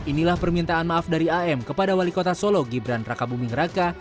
inilah permintaan maaf dari am kepada wali kota solo gibran raka buming raka